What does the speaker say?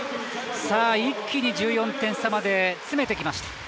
一気に１４点差まで詰めてきました。